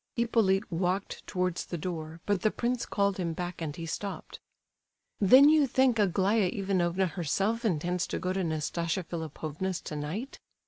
Hippolyte walked towards the door, but the prince called him back and he stopped. "Then you think Aglaya Ivanovna herself intends to go to Nastasia Philipovna's tonight?"